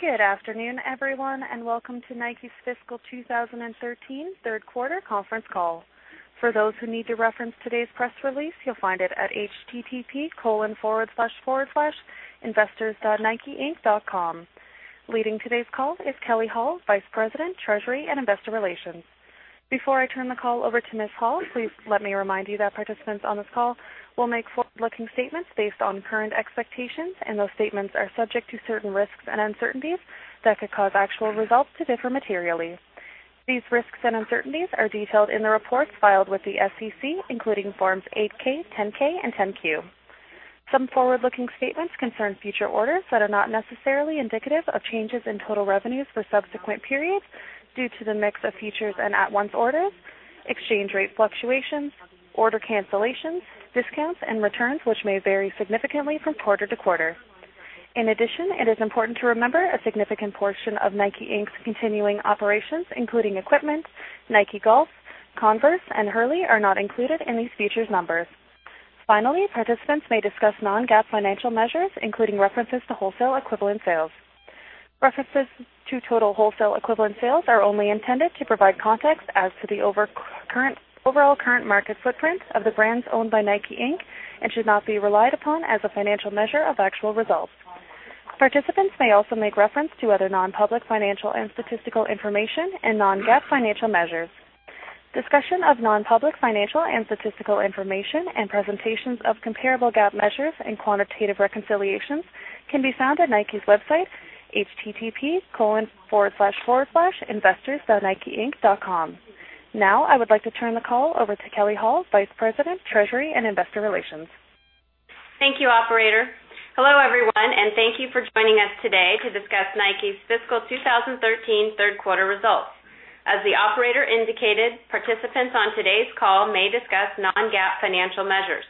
Good afternoon, everyone, and welcome to Nike's fiscal 2013 third quarter conference call. For those who need to reference today's press release, you'll find it at http://investors.nikeinc.com. Leading today's call is Kelley Hall, Vice President, Treasury and Investor Relations. Before I turn the call over to Ms. Hall, please let me remind you that participants on this call will make forward-looking statements based on current expectations, and those statements are subject to certain risks and uncertainties that could cause actual results to differ materially. These risks and uncertainties are detailed in the reports filed with the SEC, including Forms 8-K, 10-K and 10-Q. Some forward-looking statements concern future orders that are not necessarily indicative of changes in total revenues for subsequent periods due to the mix of futures and at-once orders, exchange rate fluctuations, order cancellations, discounts, and returns, which may vary significantly from quarter to quarter. In addition, it is important to remember a significant portion of NIKE, Inc.'s continuing operations, including equipment, Nike Golf, Converse, and Hurley, are not included in these futures numbers. Finally, participants may discuss non-GAAP financial measures, including references to wholesale equivalent sales. References to total wholesale equivalent sales are only intended to provide context as to the overall current market footprint of the brands owned by NIKE, Inc. and should not be relied upon as a financial measure of actual results. Participants may also make reference to other non-public financial and statistical information and non-GAAP financial measures. Discussion of non-public financial and statistical information and presentations of comparable GAAP measures and quantitative reconciliations can be found at Nike's website, http://investors.nikeinc.com. Now, I would like to turn the call over to Kelley Hall, Vice President, Treasury and Investor Relations. Thank you, operator. Hello, everyone, and thank you for joining us today to discuss Nike's fiscal 2013 third quarter results. As the operator indicated, participants on today's call may discuss non-GAAP financial measures.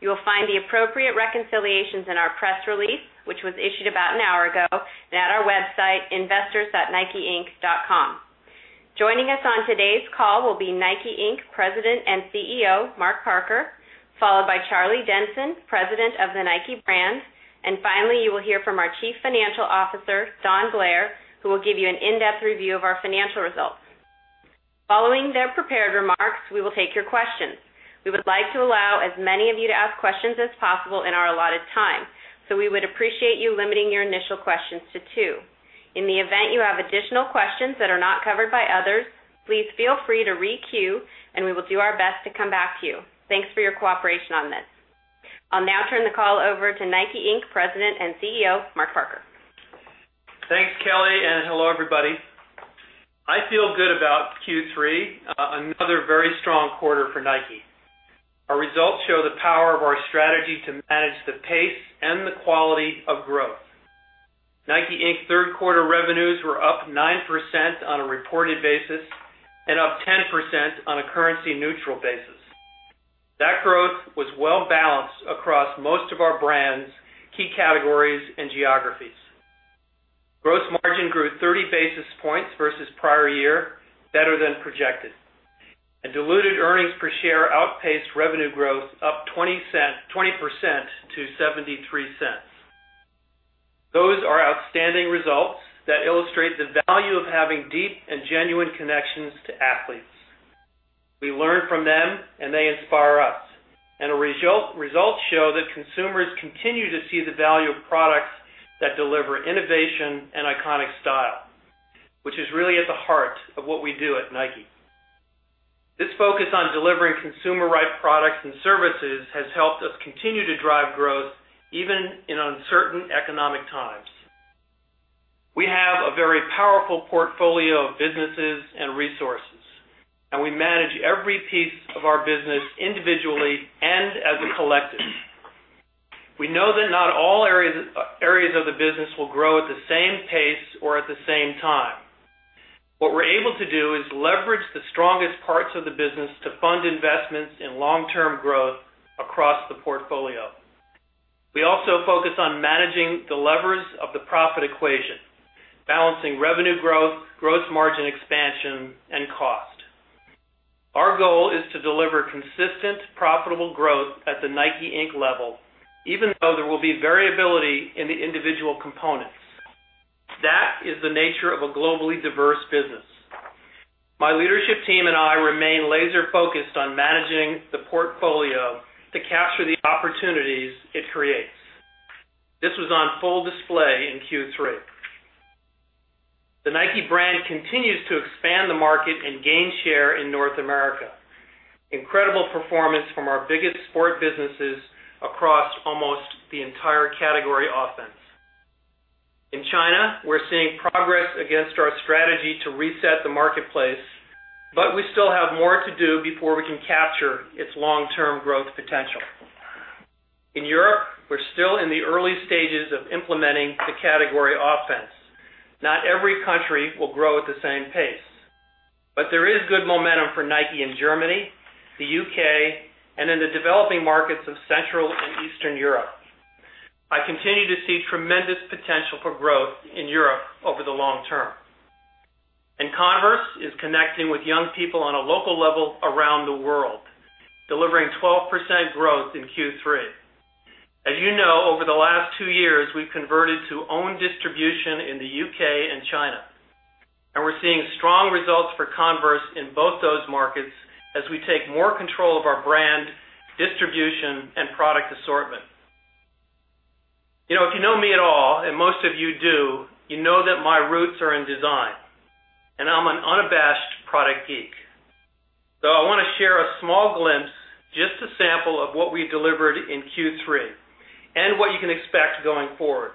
You will find the appropriate reconciliations in our press release, which was issued about an hour ago, and at our website, investors.nikeinc.com. Joining us on today's call will be NIKE, Inc., President and CEO, Mark Parker, followed by Charlie Denson, President of the Nike brand. Finally, you will hear from our Chief Financial Officer, Don Blair, who will give you an in-depth review of our financial results. Following their prepared remarks, we will take your questions. We would like to allow as many of you to ask questions as possible in our allotted time. We would appreciate you limiting your initial questions to two. In the event you have additional questions that are not covered by others, please feel free to re-queue, and we will do our best to come back to you. Thanks for your cooperation on this. I'll now turn the call over to NIKE, Inc., President and CEO, Mark Parker. Thanks, Kelley, and hello, everybody. I feel good about Q3, another very strong quarter for Nike. Our results show the power of our strategy to manage the pace and the quality of growth. NIKE, Inc. third quarter revenues were up 9% on a reported basis and up 10% on a currency-neutral basis. That growth was well-balanced across most of our brands, key categories, and geographies. Gross margin grew 30 basis points versus prior year, better than projected. Diluted earnings per share outpaced revenue growth up 20% to $0.73. Those are outstanding results that illustrate the value of having deep and genuine connections to athletes. We learn from them, and they inspire us. Results show that consumers continue to see the value of products that deliver innovation and iconic style, which is really at the heart of what we do at Nike. This focus on delivering consumer-right products and services has helped us continue to drive growth even in uncertain economic times. We have a very powerful portfolio of businesses and resources. We manage every piece of our business individually and as a collective. We know that not all areas of the business will grow at the same pace or at the same time. What we're able to do is leverage the strongest parts of the business to fund investments in long-term growth across the portfolio. We also focus on managing the levers of the profit equation, balancing revenue growth, gross margin expansion, and cost. Our goal is to deliver consistent, profitable growth at the NIKE, Inc. level, even though there will be variability in the individual components. That is the nature of a globally diverse business. My leadership team and I remain laser-focused on managing the portfolio to capture the opportunities it creates. This was on full display in Q3. The Nike brand continues to expand the market and gain share in North America. Incredible performance from our biggest sport businesses across almost the entire category offense. In China, we're seeing progress against our strategy to reset the marketplace. We still have more to do before we can capture its long-term growth potential. In Europe, we're still in the early stages of implementing the category offense. Not every country will grow at the same pace. There is good momentum for Nike in Germany, the U.K., and in the developing markets of Central and Eastern Europe. I continue to see tremendous potential for growth in Europe over the long term. Is connecting with young people on a local level around the world, delivering 12% growth in Q3. As you know, over the last two years, we've converted to own distribution in the U.K. and China. We're seeing strong results for Converse in both those markets as we take more control of our brand, distribution, and product assortment. If you know me at all, and most of you do, you know that my roots are in design. I'm an unabashed product geek. I want to share a small glimpse, just a sample of what we delivered in Q3, and what you can expect going forward.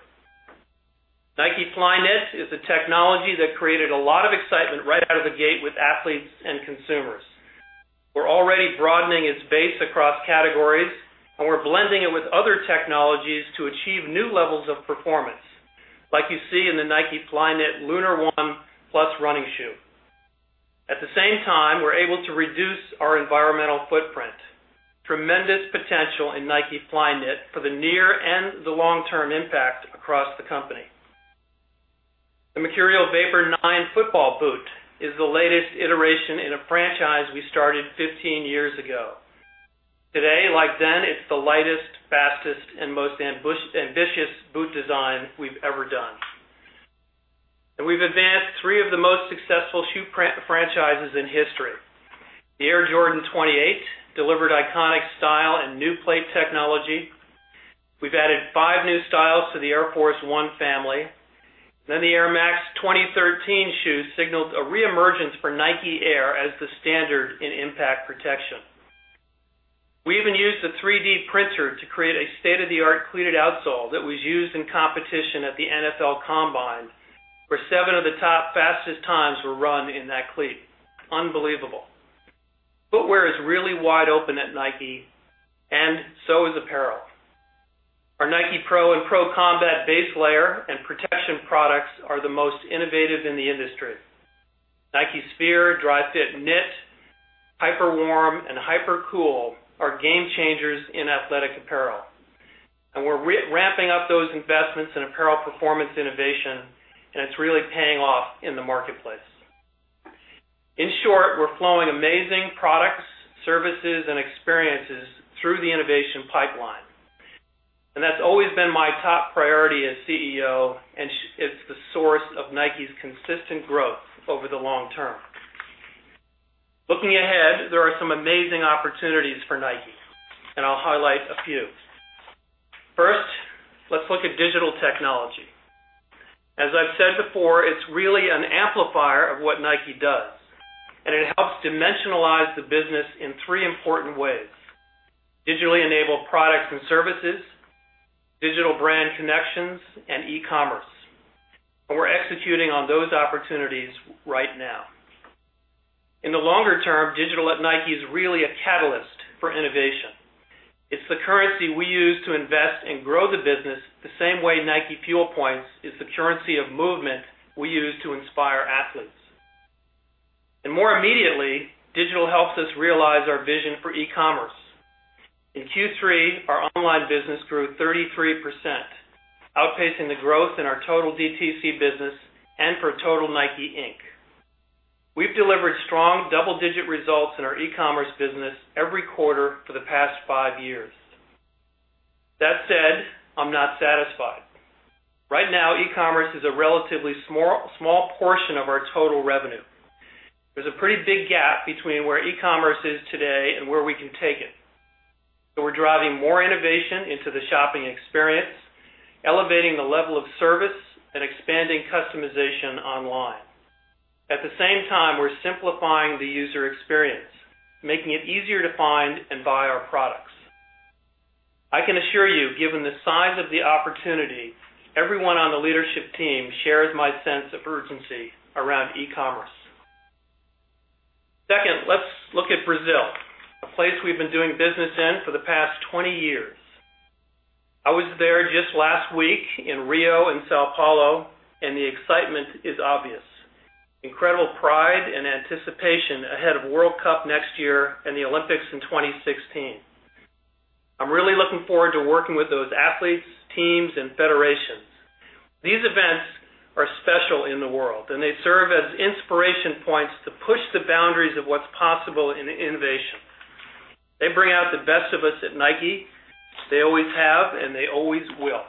Nike Flyknit is a technology that created a lot of excitement right out of the gate with athletes and consumers. We're already broadening its base across categories, we're blending it with other technologies to achieve new levels of performance, like you see in the Nike Flyknit Lunar1+ running shoe. At the same time, we're able to reduce our environmental footprint. Tremendous potential in Nike Flyknit for the near and the long-term impact across the company. The Mercurial Vapor IX football boot is the latest iteration in a franchise we started 15 years ago. Today, like then, it's the lightest, fastest, and most ambitious boot design we've ever done. We've advanced three of the most successful shoe franchises in history. The Air Jordan XX8 delivered iconic style and new plate technology. We've added five new styles to the Air Force 1 family. The Air Max 2013 shoe signaled a reemergence for Nike Air as the standard in impact protection. We even used a 3D printer to create a state-of-the-art cleated outsole that was used in competition at the NFL Combine, where seven of the top fastest times were run in that cleat. Unbelievable. Footwear is really wide open at Nike, so is apparel. Our Nike Pro and Pro Combat base layer and protection products are the most innovative in the industry. Nike Sphere, Dri-FIT Knit, Hyperwarm, and Hypercool are game changers in athletic apparel. We're ramping up those investments in apparel performance innovation, it's really paying off in the marketplace. In short, we're flowing amazing products, services, and experiences through the innovation pipeline. That's always been my top priority as CEO, it's the source of Nike's consistent growth over the long term. Looking ahead, there are some amazing opportunities for Nike, I'll highlight a few. First, let's look at digital technology. As I've said before, it's really an amplifier of what Nike does, it helps dimensionalize the business in three important ways. Digitally enabled products and services, digital brand connections, and e-commerce. We're executing on those opportunities right now. In the longer term, digital at Nike is really a catalyst for innovation. It's the currency we use to invest and grow the business, the same way NikeFuel Points is the currency of movement we use to inspire athletes. More immediately, digital helps us realize our vision for e-commerce. In Q3, our online business grew 33%, outpacing the growth in our total DTC business and for total Nike, Inc. We've delivered strong double-digit results in our e-commerce business every quarter for the past five years. That said, I'm not satisfied. Right now, e-commerce is a relatively small portion of our total revenue. There's a pretty big gap between where e-commerce is today and where we can take it. We're driving more innovation into the shopping experience, elevating the level of service, and expanding customization online. At the same time, we're simplifying the user experience, making it easier to find and buy our products. I can assure you, given the size of the opportunity, everyone on the leadership team shares my sense of urgency around e-commerce. Second, let's look at Brazil, a place we've been doing business in for the past 20 years. I was there just last week in Rio and São Paulo, the excitement is obvious. Incredible pride and anticipation ahead of World Cup next year and the Olympics in 2016. I'm really looking forward to working with those athletes, teams, and federations. These events are special in the world, they serve as inspiration points to push the boundaries of what's possible in innovation. They bring out the best of us at Nike. They always have, and they always will.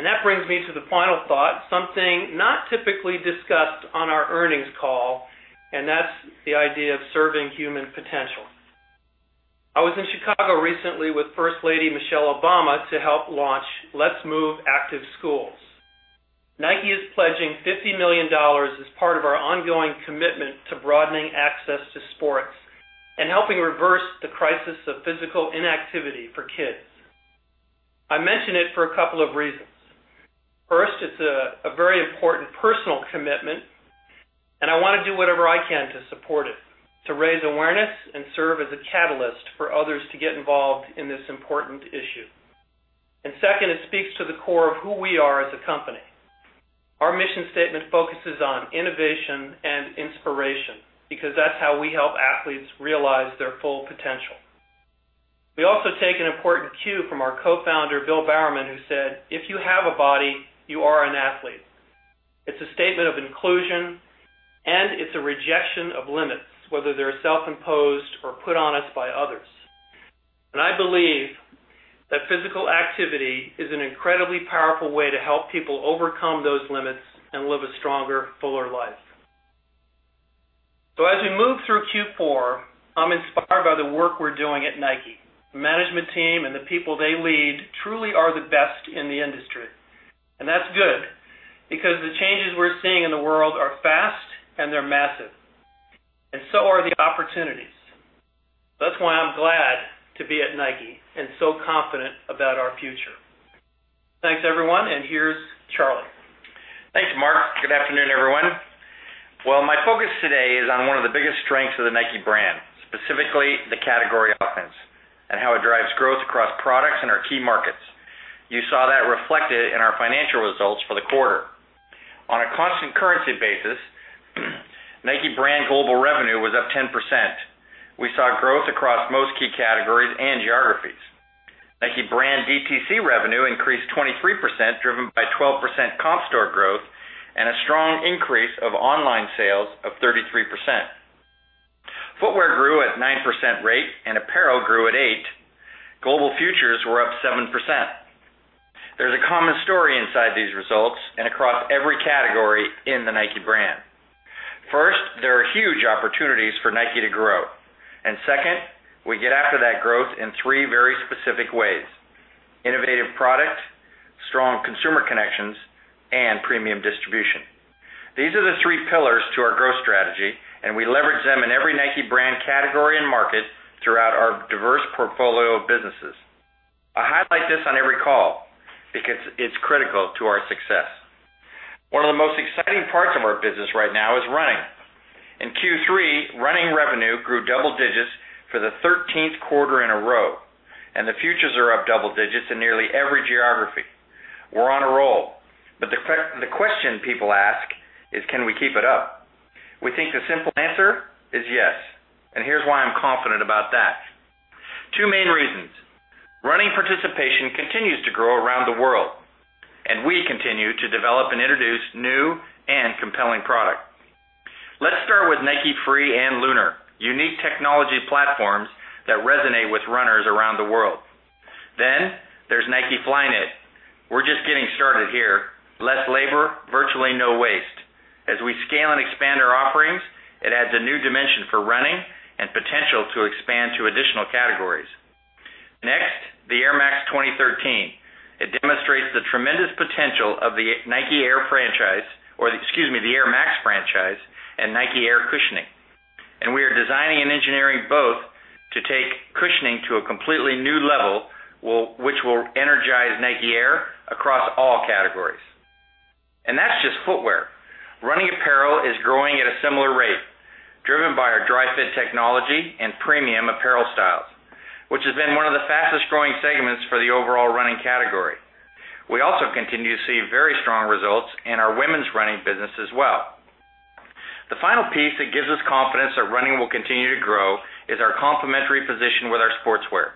That brings me to the final thought, something not typically discussed on our earnings call, and that's the idea of serving human potential. I was in Chicago recently with First Lady Michelle Obama to help launch Let's Move! Active Schools. Nike is pledging $50 million as part of our ongoing commitment to broadening access to sports and helping reverse the crisis of physical inactivity for kids. I mention it for a couple of reasons. First, it's a very important personal commitment, and I want to do whatever I can to support it, to raise awareness and serve as a catalyst for others to get involved in this important issue. Second, it speaks to the core of who we are as a company. Our mission statement focuses on innovation and inspiration because that's how we help athletes realize their full potential. We also take an important cue from our co-founder, Bill Bowerman, who said, "If you have a body, you are an athlete." It's a statement of inclusion, and it's a rejection of limits, whether they're self-imposed or put on us by others. I believe that physical activity is an incredibly powerful way to help people overcome those limits and live a stronger, fuller life. As we move through Q4, I'm inspired by the work we're doing at Nike. The management team and the people they lead truly are the best in the industry. That's good, because the changes we're seeing in the world are fast and they're massive, and so are the opportunities. That's why I'm glad to be at Nike and so confident about our future. Thanks, everyone and here's Charlie. Thanks, Mark. Good afternoon, everyone. My focus today is on one of the biggest strengths of the Nike brand, specifically the category offense and how it drives growth across products in our key markets. You saw that reflected in our financial results for the quarter. On a constant currency basis, Nike brand global revenue was up 10%. We saw growth across most key categories and geographies. Nike brand DTC revenue increased 23%, driven by 12% comp store growth and a strong increase of online sales of 33%. Footwear grew at 9% rate and apparel grew at 8%. Global futures were up 7%. There's a common story inside these results and across every category in the Nike brand. First, there are huge opportunities for Nike to grow. Second, we get after that growth in three very specific ways. Innovative product, strong consumer connections, and premium distribution. These are the three pillars to our growth strategy, we leverage them in every Nike brand category and market throughout our diverse portfolio of businesses. I highlight this on every call because it's critical to our success. One of the most exciting parts of our business right now is running. In Q3, running revenue grew double digits for the 13th quarter in a row, the futures are up double digits in nearly every geography. We're on a roll, the question people ask is, can we keep it up? We think the simple answer is yes, here's why I'm confident about that. Two main reasons. Running participation continues to grow around the world, we continue to develop and introduce new and compelling product. Let's start with Nike Free and Lunar, unique technology platforms that resonate with runners around the world. There's Nike Flyknit. We're just getting started here. Less labor, virtually no waste. As we scale and expand our offerings, it adds a new dimension for running and potential to expand to additional categories. The Air Max 2013. It demonstrates the tremendous potential of the Nike Air franchise, or excuse me, the Air Max franchise and Nike Air cushioning. We are designing and engineering both to take cushioning to a completely new level, which will energize Nike Air across all categories. That's just footwear. Running apparel is growing at a similar rate, driven by our Dri-FIT technology and premium apparel styles, which has been one of the fastest-growing segments for the overall running category. We also continue to see very strong results in our women's running business as well. The final piece that gives us confidence that running will continue to grow is our complementary position with our sportswear.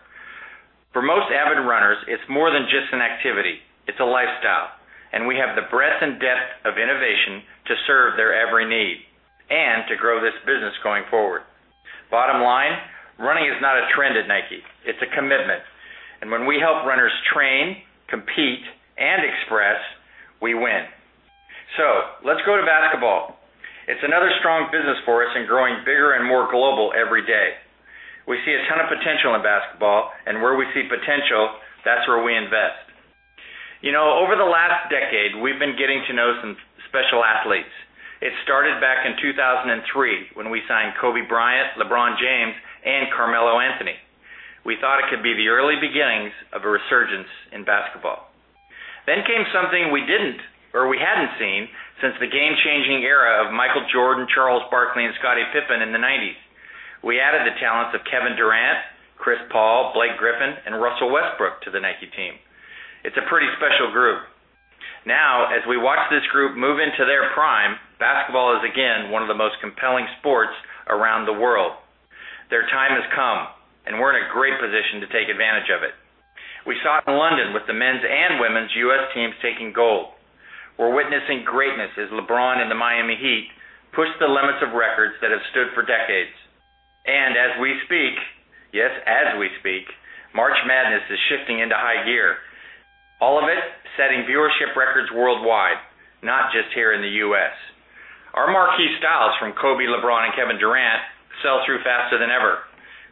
For most avid runners, it's more than just an activity, it's a lifestyle, we have the breadth and depth of innovation to serve their every need and to grow this business going forward. Bottom line, running is not a trend at Nike. It's a commitment. When we help runners train, compete, and express, we win. Let's go to basketball. It's another strong business for us and growing bigger and more global every day. We see a ton of potential in basketball, and where we see potential, that's where we invest. Over the last decade, we've been getting to know some special athletes. It started back in 2003, when we signed Kobe Bryant, LeBron James, and Carmelo Anthony. We thought it could be the early beginnings of a resurgence in basketball. Came something we hadn't seen since the game-changing era of Michael Jordan, Charles Barkley, and Scottie Pippen in the '90s. We added the talents of Kevin Durant, Chris Paul, Blake Griffin, and Russell Westbrook to the Nike team. It's a pretty special group. Now, as we watch this group move into their prime, basketball is again one of the most compelling sports around the world. Their time has come, we're in a great position to take advantage of it. We saw it in London with the men's and women's U.S. teams taking gold. We're witnessing greatness as LeBron and the Miami Heat push the limits of records that have stood for decades. As we speak, yes, as we speak, March Madness is shifting into high gear, all of it setting viewership records worldwide, not just here in the U.S. Our marquee styles from Kobe Bryant, LeBron James, and Kevin Durant sell through faster than ever.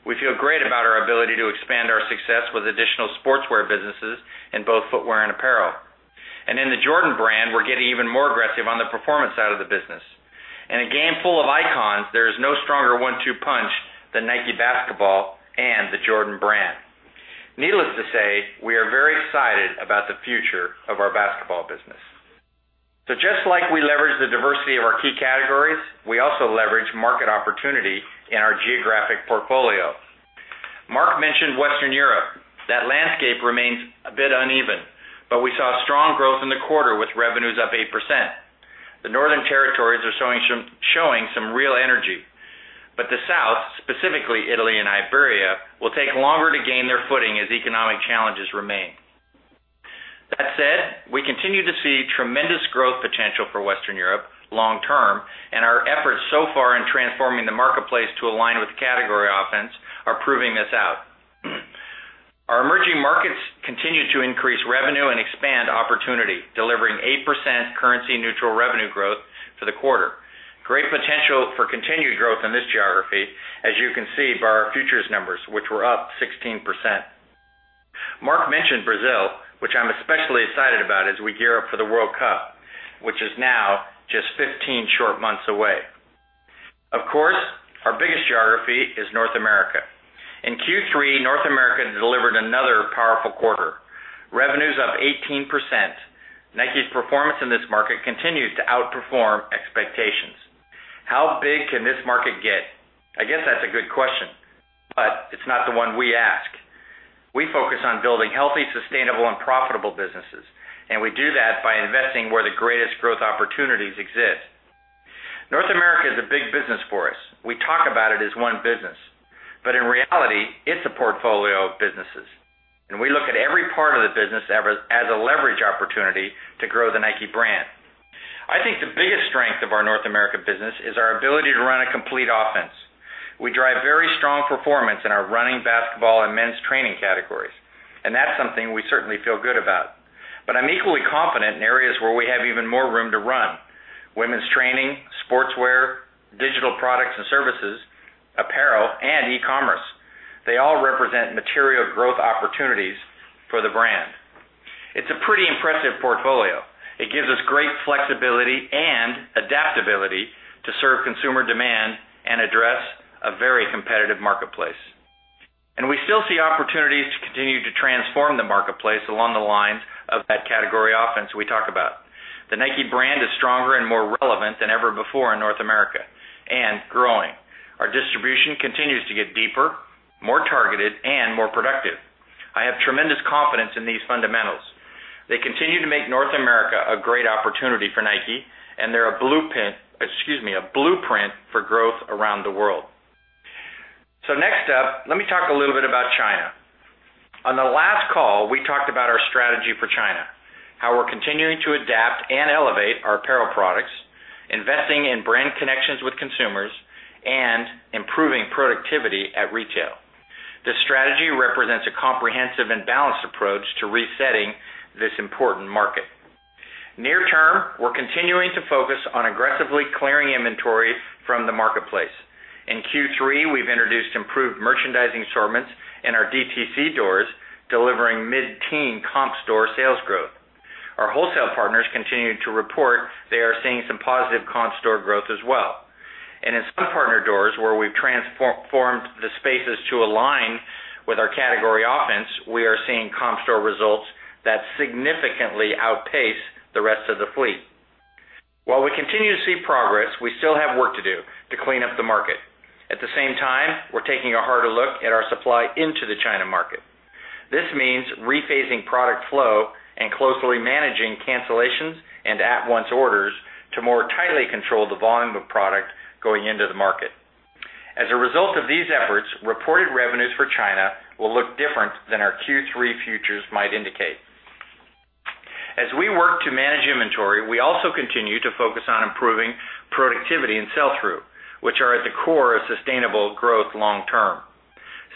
We feel great about our ability to expand our success with additional sportswear businesses in both footwear and apparel. In the Jordan Brand, we're getting even more aggressive on the performance side of the business. In a game full of icons, there is no stronger one-two punch than Nike basketball and the Jordan Brand. Needless to say, we are very excited about the future of our basketball business. Just like we leverage the diversity of our key categories, we also leverage market opportunity in our geographic portfolio. Mark Parker mentioned Western Europe. That landscape remains a bit uneven, we saw strong growth in the quarter with revenues up 8%. The Northern Europe. The South, specifically Italy and Iberia, will take longer to gain their footing as economic challenges remain. That said, we continue to see tremendous growth potential for Western Europe long term, and our efforts so far in transforming the marketplace to align with category offense are proving this out. Our emerging markets continue to increase revenue and expand opportunity, delivering 8% currency neutral revenue growth for the quarter. Great potential for continued growth in this geography, as you can see by our futures numbers, which were up 16%. Mark Parker mentioned Brazil, which I'm especially excited about as we gear up for the World Cup, which is now just 15 short months away. Of course, our biggest geography is North America. In Q3, North America delivered another powerful quarter. Revenues up 18%. Nike's performance in this market continues to outperform expectations. How big can this market get? I guess that's a good question, it's not the one we ask. We focus on building healthy, sustainable and profitable businesses, and we do that by investing where the greatest growth opportunities exist. North America is a big business for us. We talk about it as one business, in reality, it's a portfolio of businesses, we look at every part of the business as a leverage opportunity to grow the Nike brand. I think the biggest strength of our North American business is our ability to run a complete offense. We drive very strong performance in our running, basketball, and men's training categories, that's something we certainly feel good about. I'm equally confident in areas where we have even more room to run. Women's training, sportswear, digital products and services, apparel, and e-commerce. They all represent material growth opportunities for the brand. It's a pretty impressive portfolio. It gives us great flexibility and adaptability to serve consumer demand and address a very competitive marketplace. We still see opportunities to continue to transform the marketplace along the lines of that category offense we talk about. The Nike brand is stronger and more relevant than ever before in North America, and growing. Our distribution continues to get deeper, more targeted, and more productive. I have tremendous confidence in these fundamentals. They continue to make North America a great opportunity for Nike, and they're a blueprint for growth around the world. Next up, let me talk a little bit about China. On the last call, we talked about our strategy for China, how we're continuing to adapt and elevate our apparel products, investing in brand connections with consumers, and improving productivity at retail. This strategy represents a comprehensive and balanced approach to resetting this important market. Near term, we're continuing to focus on aggressively clearing inventory from the marketplace. In Q3, we've introduced improved merchandising assortments in our DTC doors, delivering mid-teen comp store sales growth. Our wholesale partners continue to report they are seeing some positive comp store growth as well. In some partner doors, where we've transformed the spaces to align with our category offense, we are seeing comp store results that significantly outpace the rest of the fleet. While we continue to see progress, we still have work to do to clean up the market. At the same time, we're taking a harder look at our supply into the China market. This means rephasing product flow and closely managing cancellations and at-once orders to more tightly control the volume of product going into the market. As a result of these efforts, reported revenues for China will look different than our Q3 futures might indicate. As we work to manage inventory, we also continue to focus on improving productivity and sell-through, which are at the core of sustainable growth long term.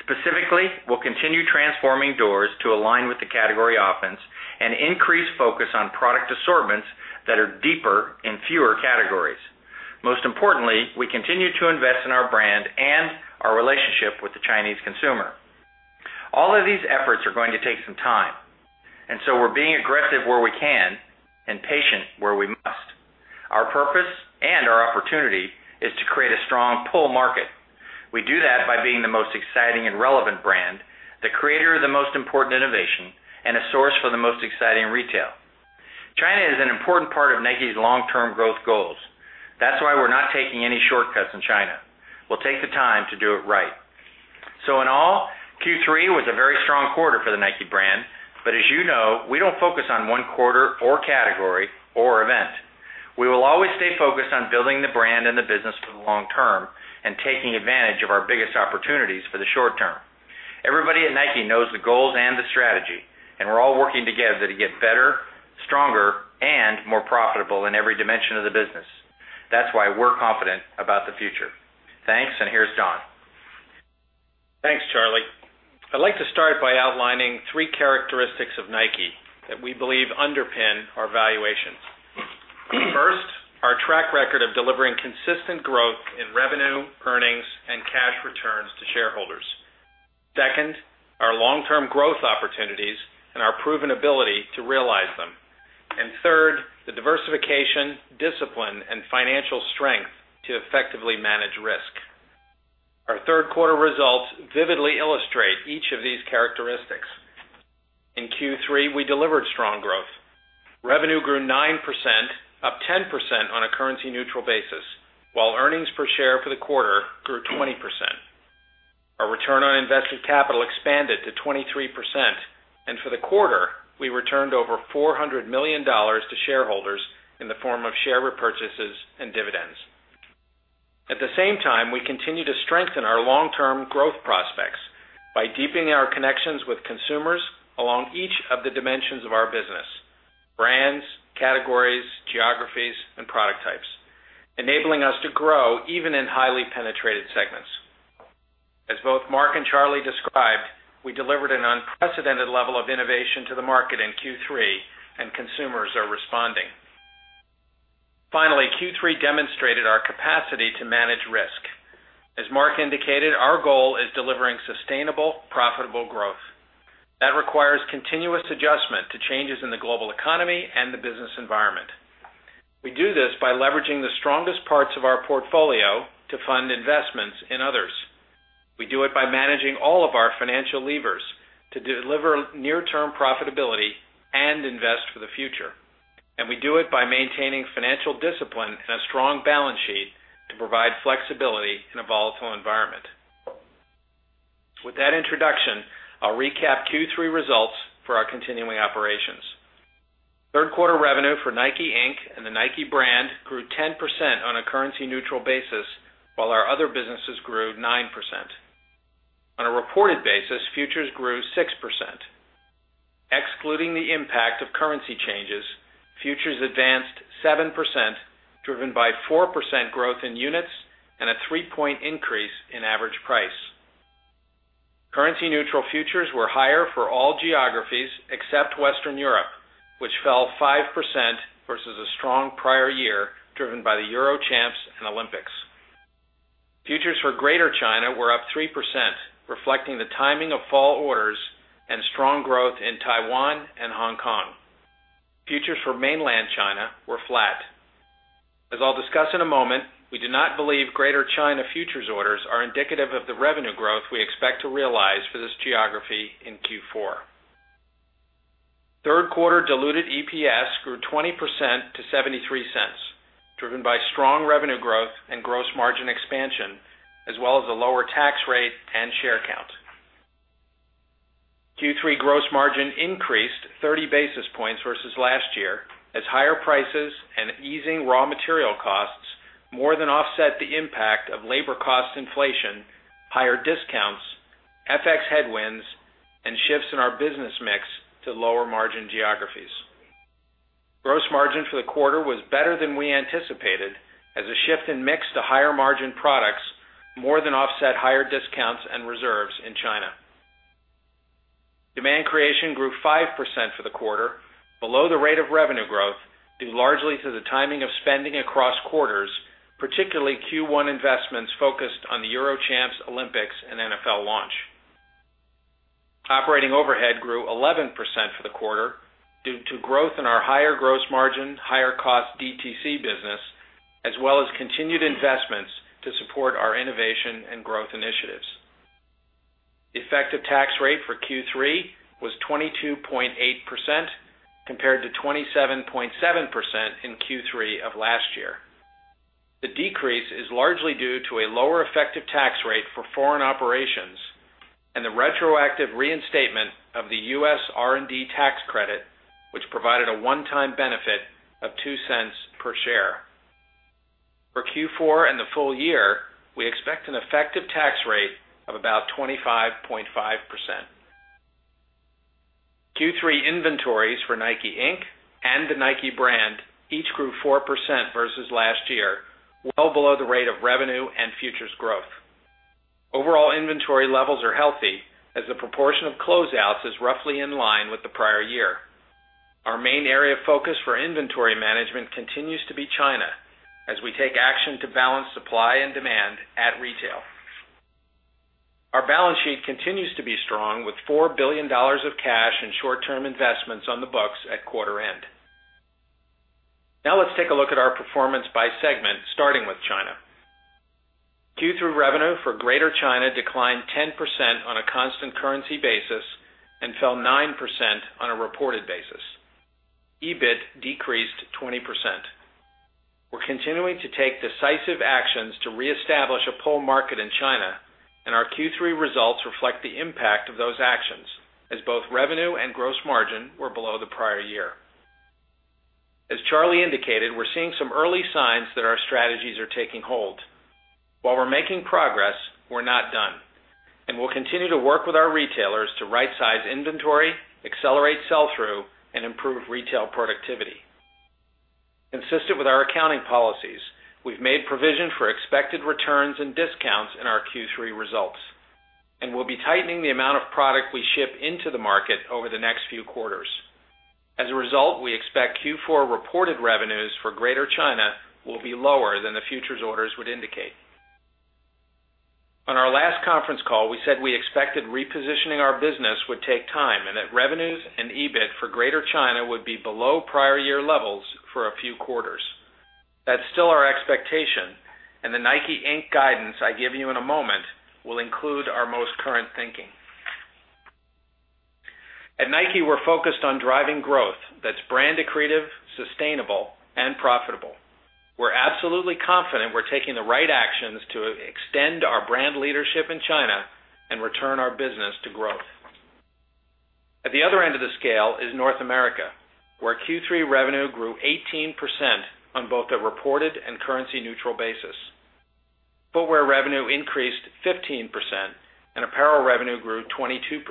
Specifically, we'll continue transforming doors to align with the category offense and increase focus on product assortments that are deeper in fewer categories. Most importantly, we continue to invest in our brand and our relationship with the Chinese consumer. All of these efforts are going to take some time, so we're being aggressive where we can and patient where we must. Our purpose and our opportunity is to create a strong pull market. We do that by being the most exciting and relevant brand, the creator of the most important innovation, and a source for the most exciting retail. China is an important part of Nike's long-term growth goals. That's why we're not taking any shortcuts in China. We'll take the time to do it right. In all, Q3 was a very strong quarter for the Nike brand. But as you know, we don't focus on one quarter or category or event. We will always stay focused on building the brand and the business for the long term and taking advantage of our biggest opportunities for the short term. Everybody at Nike knows the goals and the strategy, and we're all working together to get better, stronger, and more profitable in every dimension of the business. That's why we're confident about the future. Thanks, and here's Don. Thanks, Charlie. I'd like to start by outlining three characteristics of Nike that we believe underpin our valuations. First, our track record of delivering consistent growth in revenue, earnings, and cash returns to shareholders. Second, our long-term growth opportunities and our proven ability to realize them. Third, the diversification, discipline, and financial strength to effectively manage risk. Our third quarter results vividly illustrate each of these characteristics. In Q3, we delivered strong growth. Revenue grew 9%, up 10% on a currency neutral basis, while earnings per share for the quarter grew 20%. Invested capital expanded to 23%, and for the quarter, we returned over $400 million to shareholders in the form of share repurchases and dividends. At the same time, we continue to strengthen our long-term growth prospects by deepening our connections with consumers along each of the dimensions of our business, brands, categories, geographies, and product types, enabling us to grow even in highly penetrated segments. As both Mark and Charlie described, we delivered an unprecedented level of innovation to the market in Q3, and consumers are responding. Finally, Q3 demonstrated our capacity to manage risk. As Mark indicated, our goal is delivering sustainable, profitable growth. That requires continuous adjustment to changes in the global economy and the business environment. We do this by leveraging the strongest parts of our portfolio to fund investments in others. We do it by managing all of our financial levers to deliver near-term profitability and invest for the future. We do it by maintaining financial discipline and a strong balance sheet to provide flexibility in a volatile environment. With that introduction, I'll recap Q3 results for our continuing operations. Third-quarter revenue for NIKE, Inc. and the Nike brand grew 10% on a currency-neutral basis, while our other businesses grew 9%. On a reported basis, futures grew 6%. Excluding the impact of currency changes, futures advanced 7%, driven by 4% growth in units and a three-point increase in average price. Currency-neutral futures were higher for all geographies except Western Europe, which fell 5% versus a strong prior year driven by the Euro Champs and Olympics. Futures for Greater China were up 3%, reflecting the timing of fall orders and strong growth in Taiwan and Hong Kong. Futures for mainland China were flat. As I'll discuss in a moment, we do not believe Greater China futures orders are indicative of the revenue growth we expect to realize for this geography in Q4. Third quarter diluted EPS grew 20% to $0.73, driven by strong revenue growth and gross margin expansion, as well as a lower tax rate and share count. Q3 gross margin increased 30 basis points versus last year as higher prices and easing raw material costs more than offset the impact of labor cost inflation, higher discounts, FX headwinds, and shifts in our business mix to lower-margin geographies. Gross margin for the quarter was better than we anticipated, as a shift in mix to higher-margin products more than offset higher discounts and reserves in China. Demand creation grew 5% for the quarter, below the rate of revenue growth, due largely to the timing of spending across quarters, particularly Q1 investments focused on the Euro Champs, Olympics, and NFL launch. Operating overhead grew 11% for the quarter due to growth in our higher gross margin, higher cost DTC business, as well as continued investments to support our innovation and growth initiatives. Effective tax rate for Q3 was 22.8% compared to 27.7% in Q3 of last year. The decrease is largely due to a lower effective tax rate for foreign operations and the retroactive reinstatement of the U.S. R&D tax credit, which provided a one-time benefit of $0.02 per share. For Q4 and the full year, we expect an effective tax rate of about 25.5%. Q3 inventories for NIKE, Inc. and the Nike brand each grew 4% versus last year, well below the rate of revenue and futures growth. Overall inventory levels are healthy as the proportion of closeouts is roughly in line with the prior year. Our main area of focus for inventory management continues to be China, as we take action to balance supply and demand at retail. Our balance sheet continues to be strong with $4 billion of cash and short-term investments on the books at quarter end. Let's take a look at our performance by segment, starting with China. Q2 revenue for Greater China declined 10% on a constant currency basis and fell 9% on a reported basis. EBIT decreased 20%. We're continuing to take decisive actions to reestablish a pull market in China, and our Q3 results reflect the impact of those actions as both revenue and gross margin were below the prior year. As Charlie indicated, we're seeing some early signs that our strategies are taking hold. While we're making progress, we're not done. We'll continue to work with our retailers to rightsize inventory, accelerate sell-through, and improve retail productivity. Consistent with our accounting policies, we've made provision for expected returns and discounts in our Q3 results, and we'll be tightening the amount of product we ship into the market over the next few quarters. As a result, we expect Q4 reported revenues for Greater China will be lower than the futures orders would indicate. On our last conference call, we said we expected repositioning our business would take time and that revenues and EBIT for Greater China would be below prior year levels for a few quarters. That's still our expectation, and the NIKE, Inc. guidance I give you in a moment will include our most current thinking. At Nike, we're focused on driving growth that's brand accretive, sustainable, and profitable. We're absolutely confident we're taking the right actions to extend our brand leadership in China and return our business to growth. At the other end of the scale is North America, where Q3 revenue grew 18% on both a reported and currency-neutral basis. Footwear revenue increased 15%, and apparel revenue grew 22%.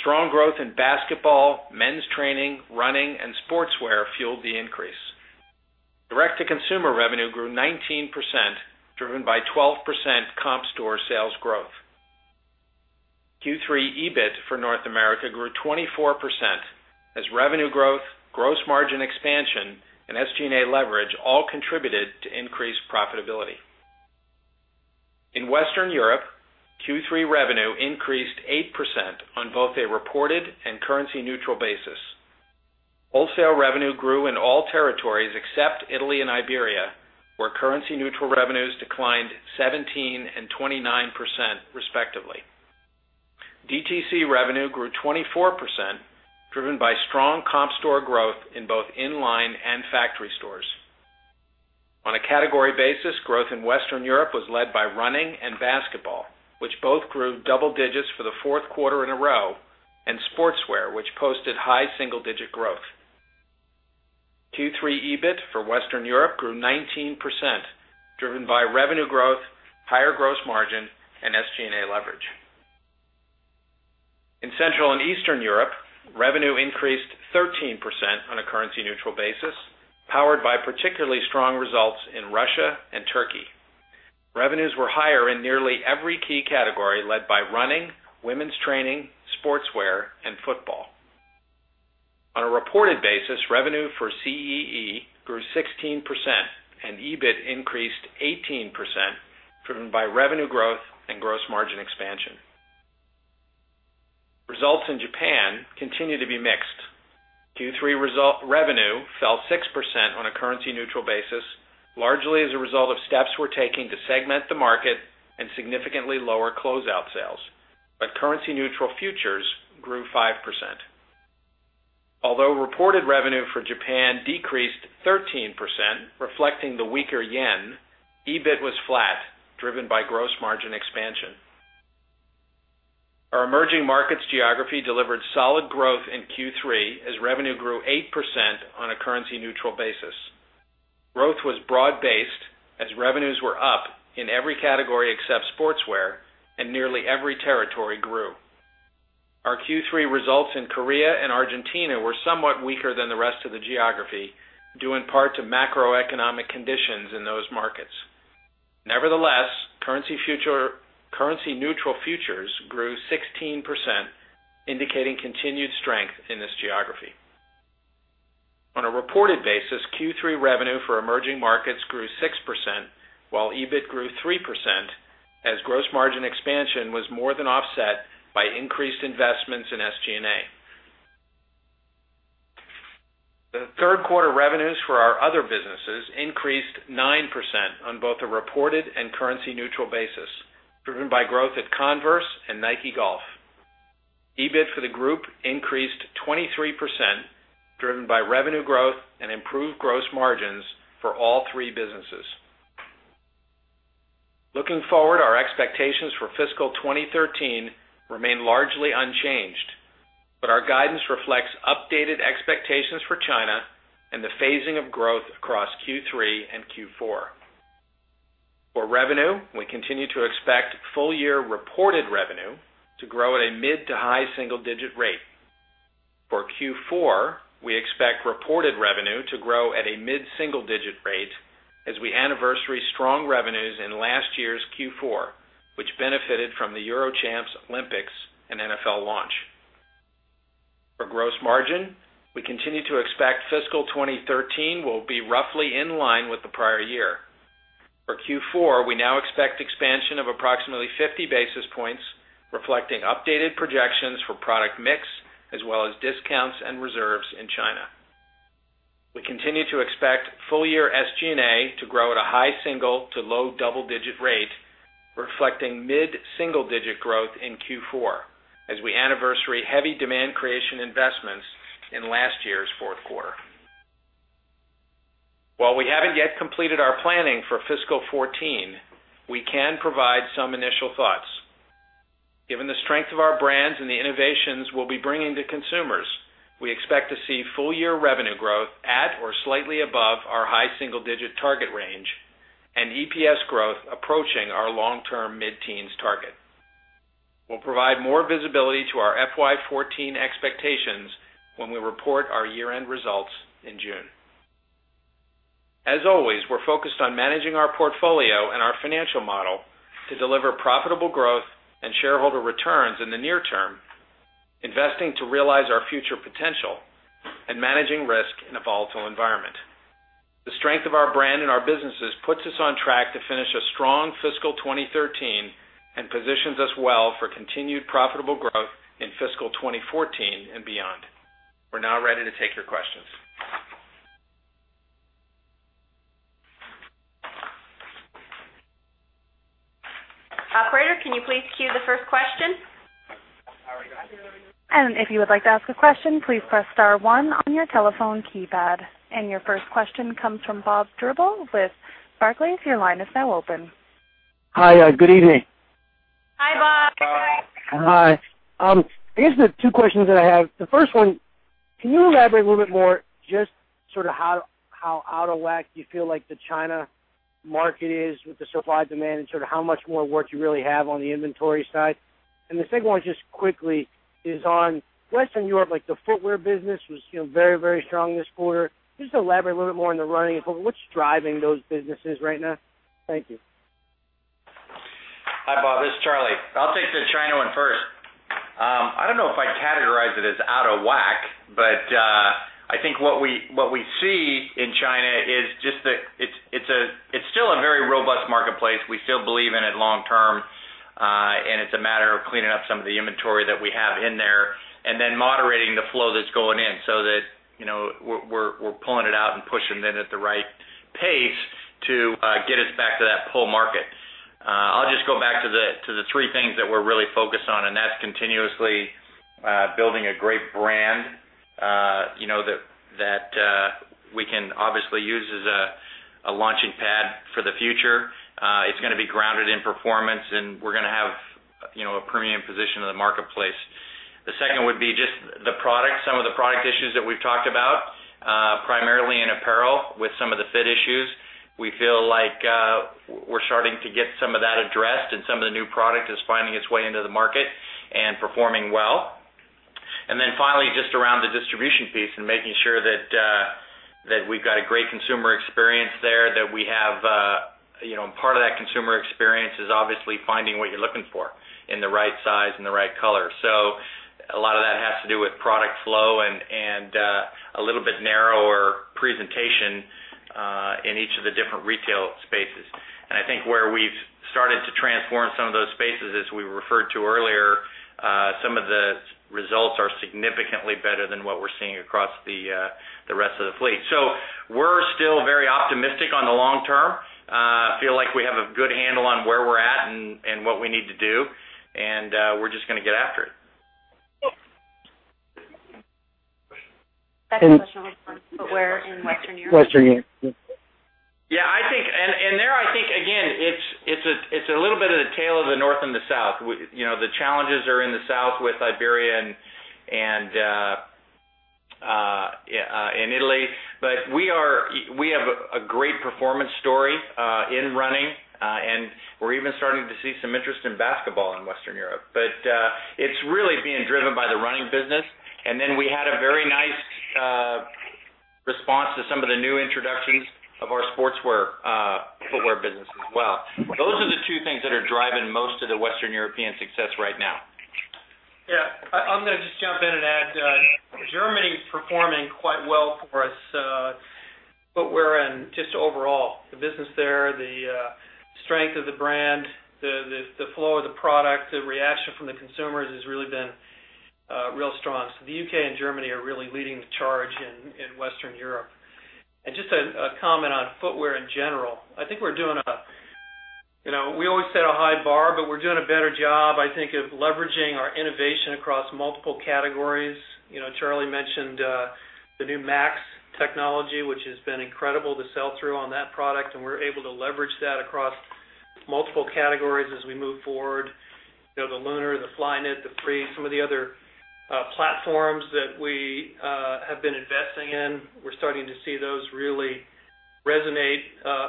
Strong growth in basketball, men's training, running, and sportswear fueled the increase. Direct-to-consumer revenue grew 19%, driven by 12% comp store sales growth. Q3 EBIT for North America grew 24% as revenue growth, gross margin expansion, and SG&A leverage all contributed to increased profitability. In Western Europe, Q3 revenue increased 8% on both a reported and currency-neutral basis. Wholesale revenue grew in all territories except Italy and Iberia, where currency-neutral revenues declined 17% and 29%, respectively. DTC revenue grew 24%, driven by strong comp store growth in both in-line and factory stores. On a category basis, growth in Western Europe was led by running and basketball, which both grew double digits for the fourth quarter in a row, and sportswear, which posted high single-digit growth. Q3 EBIT for Western Europe grew 19%, driven by revenue growth, higher gross margin, and SG&A leverage. In Central and Eastern Europe, revenue increased 13% on a currency-neutral basis, powered by particularly strong results in Russia and Turkey. Revenues were higher in nearly every key category, led by running, women's training, sportswear, and football. On a reported basis, revenue for CEE grew 16%, and EBIT increased 18%, driven by revenue growth and gross margin expansion. Results in Japan continue to be mixed. Q3 revenue fell 6% on a currency-neutral basis, largely as a result of steps we're taking to segment the market and significantly lower closeout sales. Currency-neutral futures grew 5%. Although reported revenue for Japan decreased 13%, reflecting the weaker JPY, EBIT was flat, driven by gross margin expansion. Our emerging markets geography delivered solid growth in Q3 as revenue grew 8% on a currency-neutral basis. Growth was broad-based as revenues were up in every category except sportswear, and nearly every territory grew. Our Q3 results in Korea and Argentina were somewhat weaker than the rest of the geography, due in part to macroeconomic conditions in those markets. Nevertheless, currency-neutral futures grew 16%, indicating continued strength in this geography. On a reported basis, Q3 revenue for emerging markets grew 6%, while EBIT grew 3%, as gross margin expansion was more than offset by increased investments in SG&A. The third quarter revenues for our other businesses increased 9% on both a reported and currency-neutral basis, driven by growth at Converse and Nike Golf. EBIT for the group increased 23%, driven by revenue growth and improved gross margins for all three businesses. Looking forward, our expectations for fiscal 2013 remain largely unchanged, but our guidance reflects updated expectations for China and the phasing of growth across Q3 and Q4. For revenue, we continue to expect full-year reported revenue to grow at a mid to high single-digit rate. For Q4, we expect reported revenue to grow at a mid-single-digit rate as we anniversary strong revenues in last year's Q4, which benefited from the UEFA European Championship, Olympics, and NFL launch. For gross margin, we continue to expect fiscal 2013 will be roughly in line with the prior year. For Q4, we now expect expansion of approximately 50 basis points, reflecting updated projections for product mix as well as discounts and reserves in China. We continue to expect full-year SG&A to grow at a high single to low double-digit rate, reflecting mid-single-digit growth in Q4 as we anniversary heavy demand creation investments in last year's fourth quarter. While we haven't yet completed our planning for fiscal 2014, we can provide some initial thoughts. Given the strength of our brands and the innovations we'll be bringing to consumers, we expect to see full-year revenue growth at or slightly above our high single-digit target range and EPS growth approaching our long-term mid-teens target. We'll provide more visibility to our FY 2014 expectations when we report our year-end results in June. As always, we're focused on managing our portfolio and our financial model to deliver profitable growth and shareholder returns in the near term, investing to realize our future potential and managing risk in a volatile environment. The strength of our brand and our businesses puts us on track to finish a strong fiscal 2013 and positions us well for continued profitable growth in fiscal 2014 and beyond. We're now ready to take your questions. Operator, can you please queue the first question? If you would like to ask a question, please press star one on your telephone keypad. Your first question comes from Robert Drbul with Barclays. Your line is now open. Hi, good evening. Hi, Bob. Hi. I guess the two questions that I have, the first one, can you elaborate a little bit more, just how out of whack do you feel like the China market is with the supply-demand and how much more work you really have on the inventory side? The second one, just quickly, is on Western Europe, the footwear business was very strong this quarter. Just elaborate a little bit more on the running. What's driving those businesses right now? Thank you. Hi, Bob. This is Charlie. I'll take the China one first. I don't know if I'd categorize it as out of whack, but I think what we see in China is just that it's still a very robust marketplace. We still believe in it long term. It's a matter of cleaning up some of the inventory that we have in there and then moderating the flow that's going in, so that we're pulling it out and pushing it in at the right pace to get us back to that pull market. I'll just go back to the three things that we're really focused on, and that's continuously building a great brand that we can obviously use as a launching pad for the future. It's going to be grounded in performance, and we're going to have a premium position in the marketplace. The second would be just the product, some of the product issues that we've talked about, primarily in apparel with some of the fit issues. We feel like we're starting to get some of that addressed and some of the new product is finding its way into the market and performing well. Then finally, just around the distribution piece and making sure that we've got a great consumer experience there. Part of that consumer experience is obviously finding what you're looking for in the right size and the right color. A lot of that has to do with product flow and a little bit narrower presentation in each of the different retail spaces. I think where we've started to transform some of those spaces, as we referred to earlier, some of the results are significantly better than what we're seeing across the rest of the fleet. We're still very optimistic on the long term. Feel like we have a good handle on where we're at and what we need to do, and we're just going to get after it. Back to the question on footwear in Western Europe. Western Europe. Yeah. There, I think, again, it's a little bit of the tale of the North and the South. The challenges are in the South with Iberia and Italy. We have a great performance story in running. We're even starting to see some interest in basketball in Western Europe. It's really being driven by the running business. We had a very nice response to some of the new introductions of our sportswear footwear business as well. Those are the two things that are driving most of the Western European success right now. Yeah. I'm going to just jump in and add. Germany's performing quite well for us, footwear and just overall. The business there, the strength of the brand, the flow of the product, the reaction from the consumers has really been real strong. The U.K. and Germany are really leading the charge in Western Europe. Just a comment on footwear in general. We always set a high bar, but we're doing a better job, I think, of leveraging our innovation across multiple categories. Charlie mentioned the new Max technology, which has been incredible, the sell-through on that product, we're able to leverage that across multiple categories as we move forward. The Lunarlon, the Flyknit, the Free, some of the other platforms that we have been investing in. We're starting to see those really resonate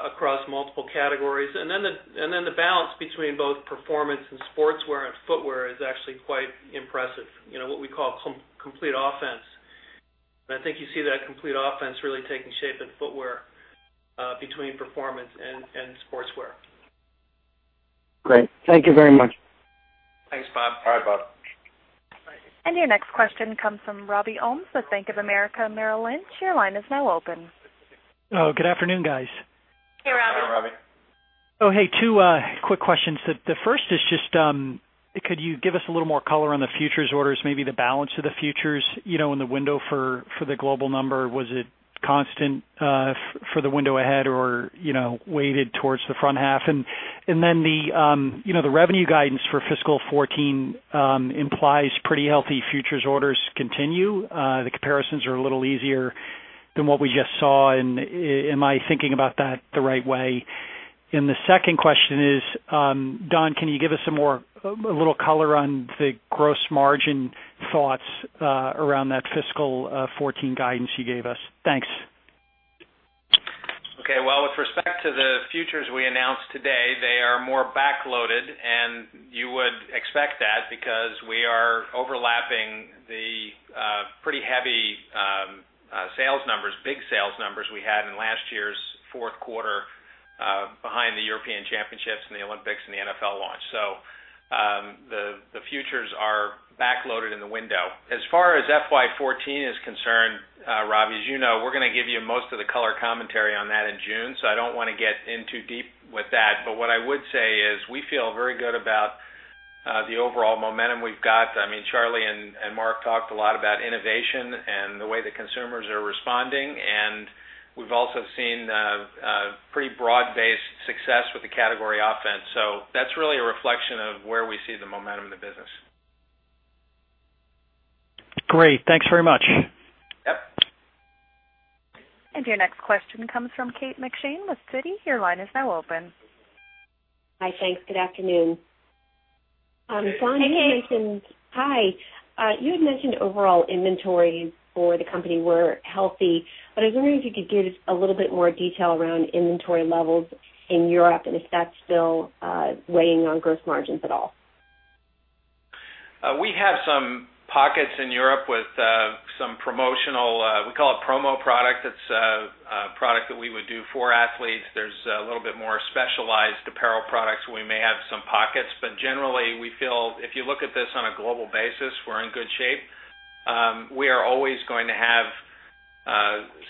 across multiple categories. The balance between both performance and sportswear and footwear is actually quite impressive. What we call complete offense. I think you see that complete offense really taking shape in footwear between performance and sportswear. Great. Thank you very much. Thanks, Bob. Bye, Bob. Your next question comes from Robert Ohmes with Bank of America Merrill Lynch. Your line is now open. Good afternoon, guys. Hey, Robbie. Hi, Robbie. two quick questions. The first is just, could you give us a little more color on the futures orders, maybe the balance of the futures, in the window for the global number? Was it constant for the window ahead or weighted towards the front half? The revenue guidance for FY 2014 implies pretty healthy futures orders continue. The comparisons are a little easier than what we just saw. Am I thinking about that the right way? The second question is, Don, can you give us a little color on the gross margin thoughts around that FY 2014 guidance you gave us? Thanks. Okay. Well, with respect to the futures we announced today, they are more backloaded, and you would expect that because we are overlapping the pretty heavy sales numbers, big sales numbers we had in last year's fourth quarter behind the UEFA European Championship and the Olympics and the NFL launch. The futures are backloaded in the window. As far as FY 2014 is concerned, Robbie, as you know, we're going to give you most of the color commentary on that in June, so I don't want to get in too deep with that. What I would say is we feel very good about The overall momentum we've got, Charlie and Mark talked a lot about innovation and the way that consumers are responding, and we've also seen pretty broad-based success with the category offense. That's really a reflection of where we see the momentum in the business. Great. Thanks very much. Yep. Your next question comes from Kate McShane with Citi. Your line is now open. Hi, thanks. Good afternoon. Hey, Kate. Hi. You had mentioned overall inventories for the company were healthy, but I was wondering if you could give a little bit more detail around inventory levels in Europe and if that's still weighing on gross margins at all. We have some pockets in Europe with some promotional, we call it promo product. It is a product that we would do for athletes. There is a little bit more specialized apparel products where we may have some pockets. Generally, we feel if you look at this on a global basis, we are in good shape. We are always going to have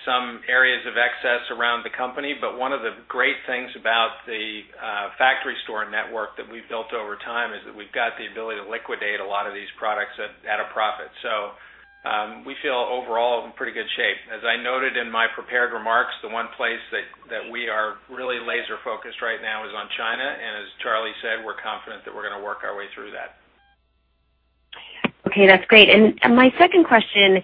some areas of excess around the company, but one of the great things about the factory store network that we have built over time is that we have got the ability to liquidate a lot of these products at a profit. We feel overall in pretty good shape. As I noted in my prepared remarks, the one place that we are really laser focused right now is on China, and as Charlie said, we are confident that we are going to work our way through that. Okay, that is great. My second question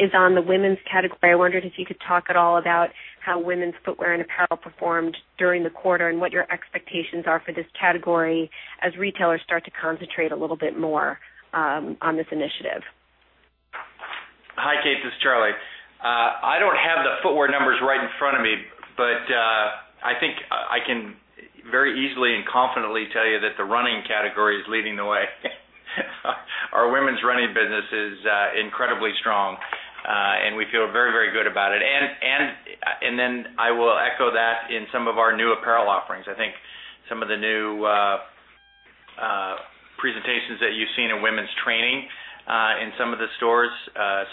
is on the women's category. I wondered if you could talk at all about how women's footwear and apparel performed during the quarter, what your expectations are for this category as retailers start to concentrate a little bit more on this initiative. Hi, Kate, this is Charlie. I do not have the footwear numbers right in front of me, I think I can very easily and confidently tell you that the running category is leading the way. Our women's running business is incredibly strong. We feel very, very good about it. Then I will echo that in some of our new apparel offerings. I think some of the new presentations that you have seen in women's training, in some of the stores,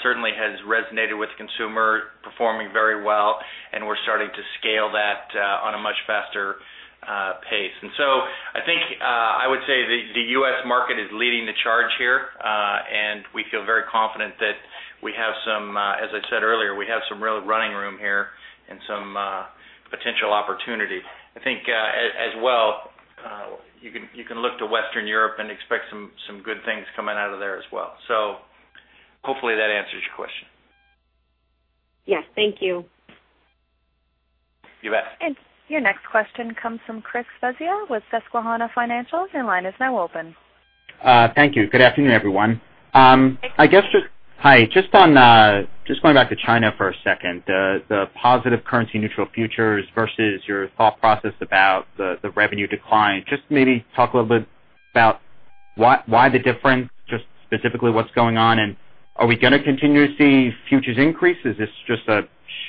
certainly has resonated with consumer, performing very well, we are starting to scale that on a much faster pace. I think, I would say the U.S. market is leading the charge here. We feel very confident that we have some, as I said earlier, we have some real running room here and some potential opportunity. I think, as well, you can look to Western Europe and expect some good things coming out of there as well. Hopefully that answers your question. Yes. Thank you. You bet. Your next question comes from Chris Svezia with Susquehanna Financial. Your line is now open. Thank you. Good afternoon, everyone. Hey, Chris. Hi. Just going back to China for a second, the positive currency neutral futures versus your thought process about the revenue decline. Just maybe talk a little bit about why the difference, just specifically what's going on, and are we going to continue to see futures increase? Is this just a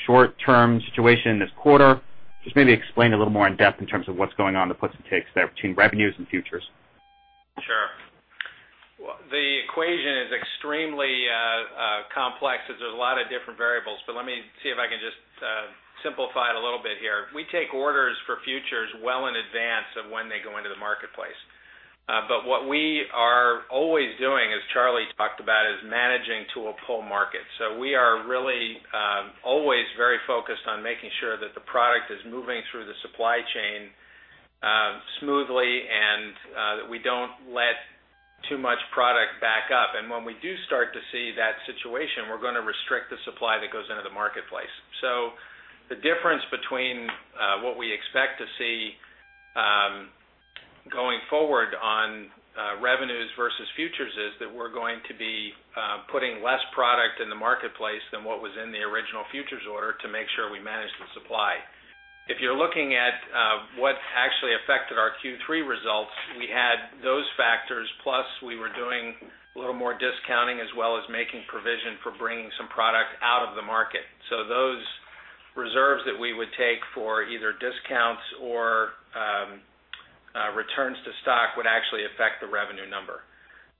short-term situation this quarter? Just maybe explain a little more in-depth in terms of what's going on, the puts and takes there between revenues and futures. Sure. The equation is extremely complex as there's a lot of different variables. Let me see if I can just simplify it a little bit here. We take orders for futures well in advance of when they go into the marketplace. What we are always doing, as Charlie talked about, is managing to a pull market. We are really always very focused on making sure that the product is moving through the supply chain smoothly, and that we don't let too much product back up. When we do start to see that situation, we're going to restrict the supply that goes into the marketplace. The difference between what we expect to see going forward on revenues versus futures is that we're going to be putting less product in the marketplace than what was in the original futures order to make sure we manage the supply. If you're looking at what actually affected our Q3 results, we had those factors, plus we were doing a little more discounting as well as making provision for bringing some product out of the market. Those reserves that we would take for either discounts or returns to stock would actually affect the revenue number.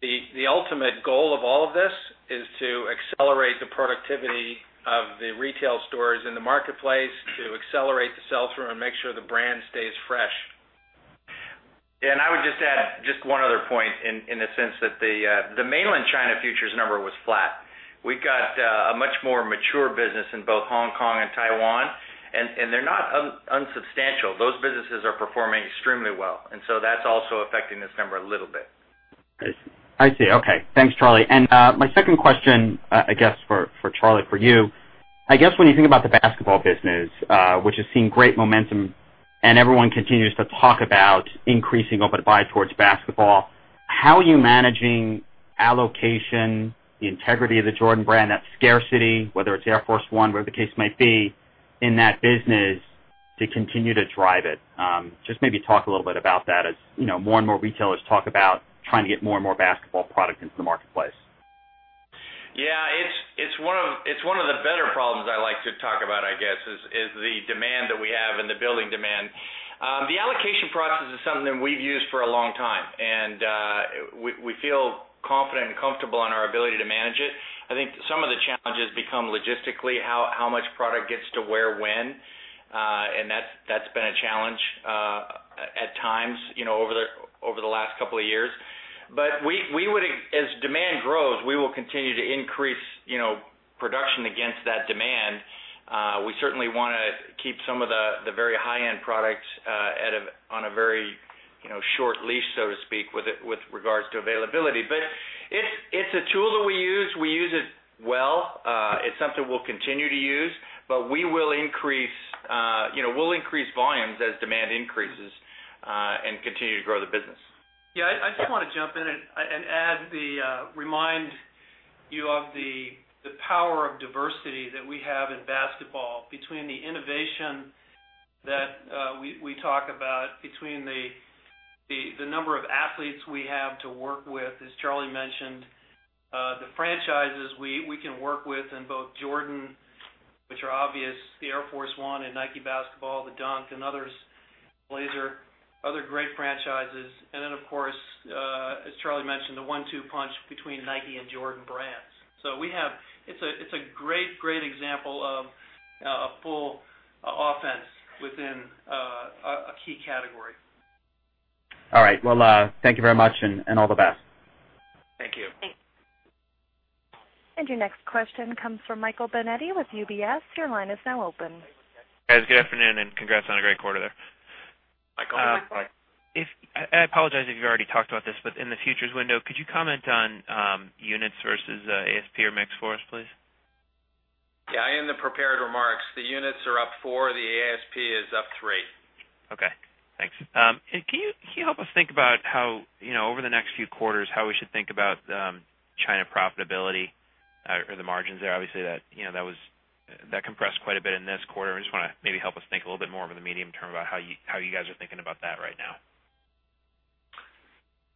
The ultimate goal of all of this is to accelerate the productivity of the retail stores in the marketplace to accelerate the sell-through and make sure the brand stays fresh. I would just add just one other point in the sense that the mainland China futures number was flat. We've got a much more mature business in both Hong Kong and Taiwan, and they're not unsubstantial. Those businesses are performing extremely well, that's also affecting this number a little bit. I see. Okay. Thanks, Charlie. My second question, I guess, for Charlie, for you, I guess when you think about the basketball business, which has seen great momentum and everyone continues to talk about increasing open to buy towards basketball, how are you managing allocation, the integrity of the Jordan Brand, that scarcity, whether it's Air Force 1, whatever the case may be, in that business to continue to drive it? Just maybe talk a little bit about that as more and more retailers talk about trying to get more and more basketball product into the marketplace. Yeah. It's one of the better problems I like to talk about, I guess, is the demand that we have and the building demand. The allocation process is something we've used for a long time, and we feel confident and comfortable in our ability to manage it. I think some of the challenges become logistically how much product gets to where, when. That's been a challenge at times over the last couple of years. As demand grows, we will continue to increase production against that demand. We certainly want to keep some of the very high-end products on a very short leash, so to speak, with regards to availability. It's a tool that we use. We use it well. It's something we'll continue to use. We'll increase volumes as demand increases and continue to grow the business. Yeah. I just want to jump in and remind you of the power of diversity that we have in basketball, between the innovation that we talk about, between the number of athletes we have to work with, as Charlie mentioned, the franchises we can work with in both Jordan, which are obvious, the Air Force 1 and Nike Basketball, the Dunk, and others, Blazer, other great franchises. Of course, as Charlie mentioned, the one-two punch between Nike and Jordan brands. It's a great example of a full offense within a key category. All right. Well, thank you very much, and all the best. Thank you. Thanks. Your next question comes from Michael Binetti with UBS. Your line is now open. Guys, good afternoon, and congrats on a great quarter there. Michael, hi. I apologize if you've already talked about this, but in the futures window, could you comment on units versus ASP or mix for us, please? Yeah. In the prepared remarks, the units are up four, the ASP is up three. Okay, thanks. Can you help us think about how, over the next few quarters, how we should think about China profitability or the margins there? Obviously, that compressed quite a bit in this quarter. I just want to maybe help us think a little bit more over the medium term about how you guys are thinking about that right now.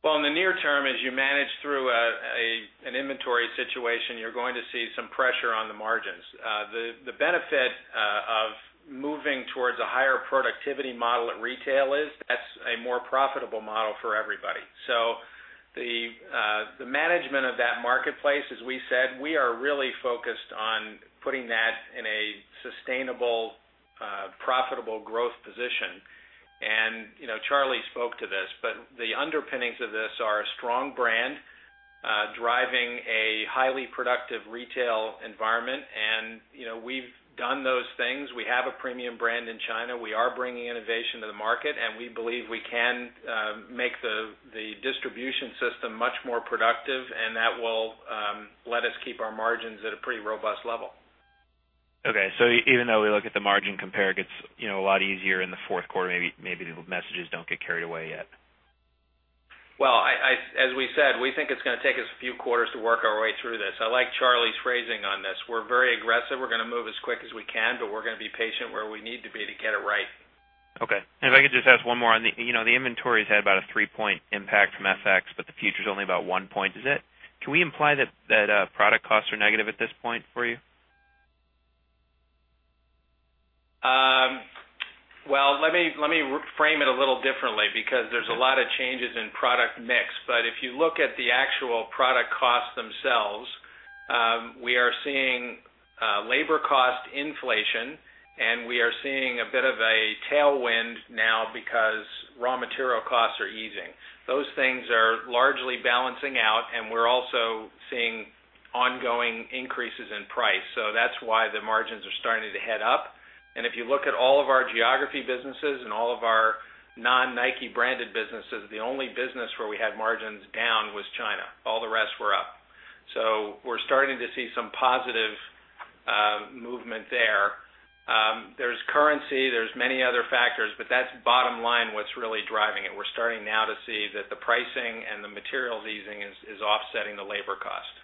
Well, in the near term, as you manage through an inventory situation, you're going to see some pressure on the margins. The benefit of moving towards a higher productivity model at retail is that's a more profitable model for everybody. The management of that marketplace, as we said, we are really focused on putting that in a sustainable, profitable growth position. Charlie spoke to this, but the underpinnings of this are a strong brand driving a highly productive retail environment, and we've done those things. We have a premium brand in China. We are bringing innovation to the market, and we believe we can make the distribution system much more productive, and that will let us keep our margins at a pretty robust level. Okay. Even though we look at the margin compare, it gets a lot easier in the fourth quarter, maybe the messages don't get carried away yet. Well, as we said, we think it's going to take us a few quarters to work our way through this. I like Charlie's phrasing on this. We're very aggressive. We're going to move as quick as we can, but we're going to be patient where we need to be to get it right. Okay. If I could just ask one more. The inventory's had about a three-point impact from FX, but the future's only about one point, is it? Can we imply that product costs are negative at this point for you? Well, let me reframe it a little differently, because there's a lot of changes in product mix. If you look at the actual product costs themselves, we are seeing labor cost inflation, and we are seeing a bit of a tailwind now because raw material costs are easing. Those things are largely balancing out, and we're also seeing ongoing increases in price. That's why the margins are starting to head up. If you look at all of our geography businesses and all of our non-Nike branded businesses, the only business where we had margins down was China. All the rest were up. We're starting to see some positive movement there. There's currency, there's many other factors, but that's bottom line what's really driving it. We're starting now to see that the pricing and the materials easing is offsetting the labor cost.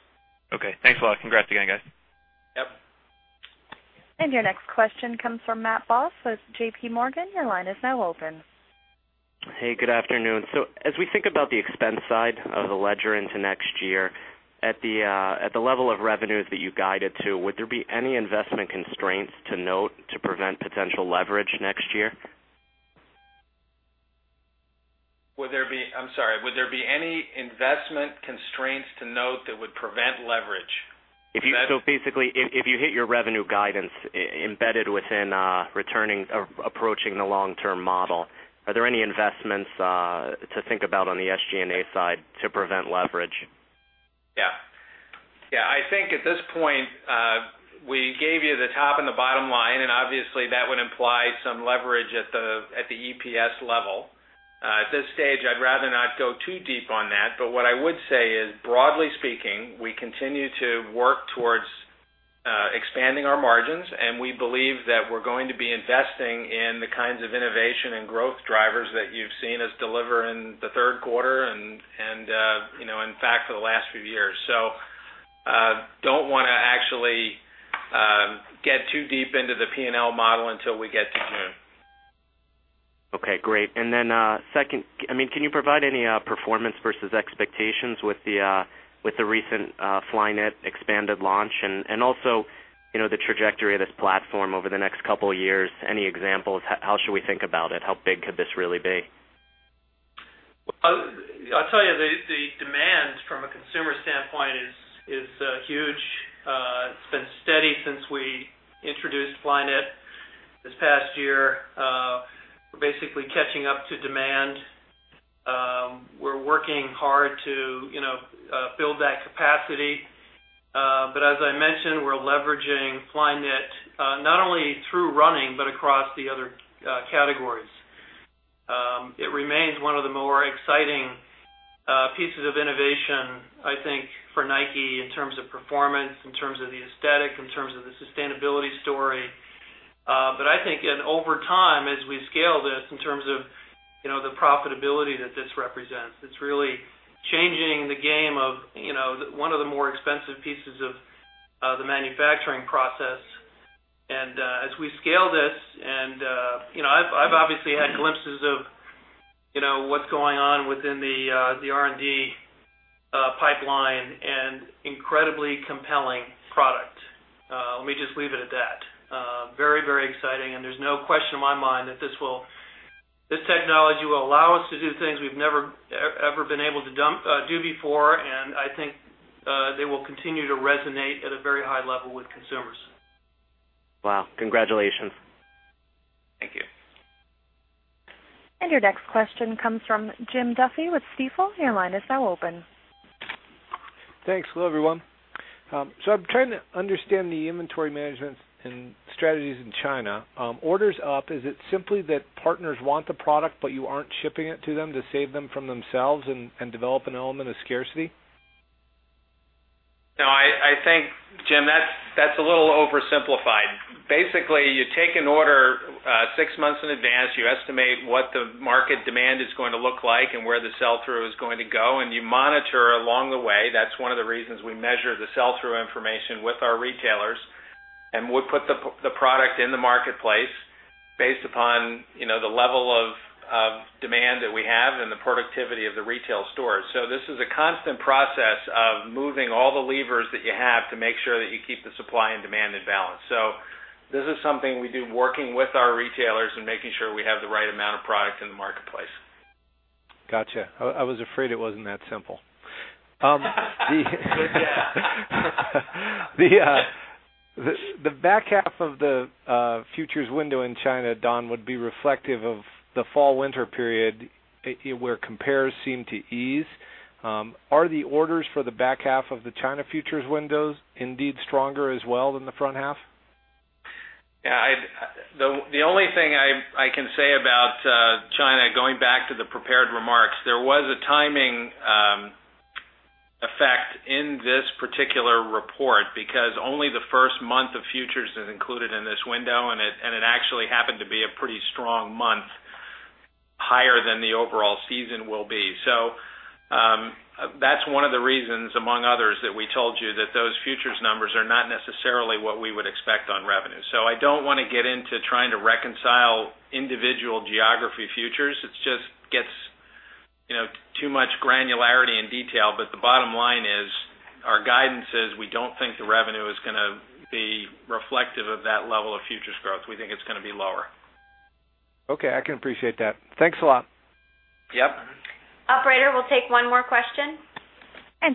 Okay. Thanks a lot. Congrats again, guys. Yep. Your next question comes from Matthew Boss with JP Morgan. Your line is now open. Good afternoon. As we think about the expense side of the ledger into next year, at the level of revenues that you guided to, would there be any investment constraints to note to prevent potential leverage next year? I'm sorry. Would there be any investment constraints to note that would prevent leverage? Basically, if you hit your revenue guidance embedded within approaching the long-term model, are there any investments to think about on the SG&A side to prevent leverage? Yeah. I think at this point, we gave you the top and the bottom line, and obviously, that would imply some leverage at the EPS level. At this stage, I'd rather not go too deep on that. What I would say is, broadly speaking, we continue to work towards expanding our margins, and we believe that we're going to be investing in the kinds of innovation and growth drivers that you've seen us deliver in the third quarter. In fact, for the last few years. Don't want to actually get too deep into the P&L model until we get to June. Second, can you provide any performance versus expectations with the recent Nike Flyknit expanded launch? Also, the trajectory of this platform over the next couple of years. Any examples? How should we think about it? How big could this really be? I'll tell you is huge. It's been steady since we introduced Nike Flyknit this past year. We're basically catching up to demand. We're working hard to build that capacity. As I mentioned, we're leveraging Nike Flyknit, not only through running, but across the other categories. It remains one of the more exciting pieces of innovation, I think, for Nike in terms of performance, in terms of the aesthetic, in terms of the sustainability story. I think over time, as we scale this, in terms of the profitability that this represents, it's really changing the game of one of the more expensive pieces of the manufacturing process. As we scale this, I've obviously had glimpses of what's going on within the R&D pipeline and incredibly compelling product. Let me just leave it at that. Very exciting, there's no question in my mind that this technology will allow us to do things we've never, ever been able to do before. I think they will continue to resonate at a very high level with consumers. Wow. Congratulations. Thank you. Your next question comes from Jim Duffy with Stifel. Your line is now open. Thanks. Hello, everyone. I'm trying to understand the inventory management and strategies in China. Orders up, is it simply that partners want the product, but you aren't shipping it to them to save them from themselves and develop an element of scarcity? No, I think, Jim, that's a little oversimplified. Basically, you take an order six months in advance. You estimate what the market demand is going to look like and where the sell-through is going to go, and you monitor along the way. That's one of the reasons we measure the sell-through information with our retailers. We put the product in the marketplace based upon the level of demand that we have and the productivity of the retail stores. This is a constant process of moving all the levers that you have to make sure that you keep the supply and demand in balance. This is something we do working with our retailers and making sure we have the right amount of product in the marketplace. Got you. I was afraid it wasn't that simple. Good guess. The back half of the futures window in China, Don, would be reflective of the fall/winter period, where compares seem to ease. Are the orders for the back half of the China futures windows indeed stronger as well than the front half? Yeah. The only thing I can say about China, going back to the prepared remarks, there was a timing effect in this particular report because only the first month of futures is included in this window, and it actually happened to be a pretty strong month, higher than the overall season will be. That's one of the reasons, among others, that we told you that those futures numbers are not necessarily what we would expect on revenue. I don't want to get into trying to reconcile individual geography futures. It just gets too much granularity and detail. The bottom line is our guidance is we don't think the revenue is going to be reflective of that level of futures growth. We think it's going to be lower. Okay. I can appreciate that. Thanks a lot. Yep. Operator, we'll take one more question.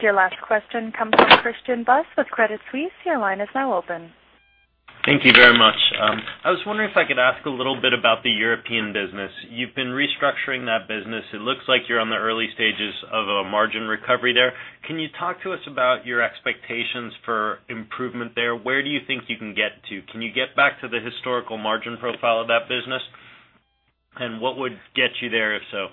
Your last question comes from Christian Buss with Credit Suisse. Your line is now open. Thank you very much. I was wondering if I could ask a little bit about the European business. You've been restructuring that business. It looks like you're on the early stages of a margin recovery there. Can you talk to us about your expectations for improvement there? Where do you think you can get to? Can you get back to the historical margin profile of that business? What would get you there, if so?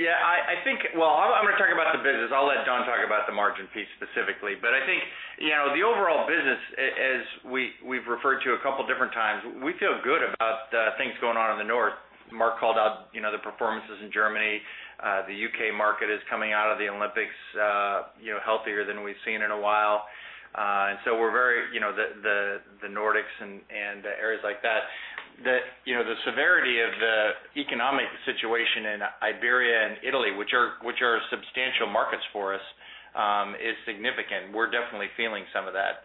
Yeah, I think, well, I'm going to talk about the business. I'll let Don talk about the margin piece specifically. I think, the overall business, as we've referred to a couple different times, we feel good about things going on in the north. Mark called out the performances in Germany. The U.K. market is coming out of the Olympics healthier than we've seen in a while. The Nordics and areas like that. The severity of the economic situation in Iberia and Italy, which are substantial markets for us, is significant. We're definitely feeling some of that.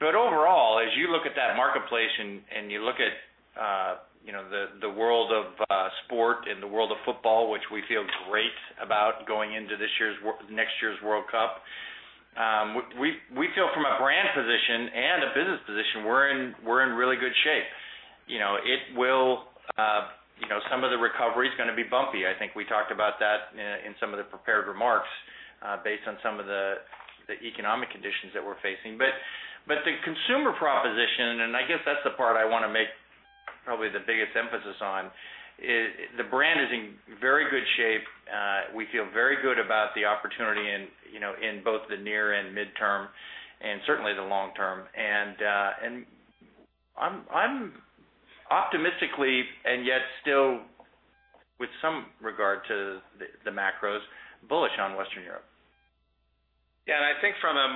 Overall, as you look at that marketplace and you look at the world of sport and the world of football, which we feel great about going into next year's World Cup. We feel from a brand position and a business position, we're in really good shape. Some of the recovery's going to be bumpy. I think we talked about that in some of the prepared remarks, based on some of the economic conditions that we're facing. The consumer proposition, and I guess that's the part I want to make probably the biggest emphasis on, the brand is in very good shape. We feel very good about the opportunity in both the near and midterm, and certainly the long term. I'm optimistically, and yet still with some regard to the macros, bullish on Western Europe. I think from a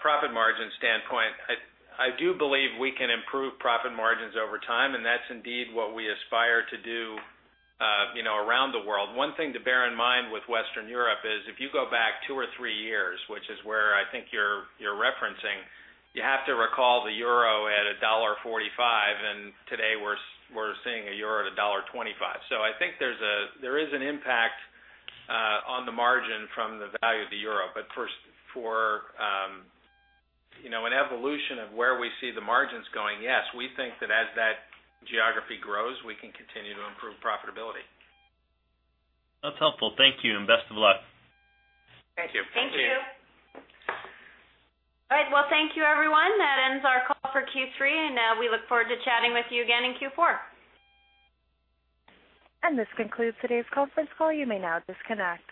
profit margin standpoint, I do believe we can improve profit margins over time, and that's indeed what we aspire to do around the world. One thing to bear in mind with Western Europe is if you go back two or three years, which is where I think you're referencing, you have to recall the euro at $1.45, and today we're seeing a euro at $1.25. I think there is an impact on the margin from the value of the euro. For an evolution of where we see the margins going, yes, we think that as that geography grows, we can continue to improve profitability. That's helpful. Thank you, and best of luck. Thank you. Thank you. All right. Well, thank you everyone. That ends our call for Q3. We look forward to chatting with you again in Q4. This concludes today's conference call. You may now disconnect.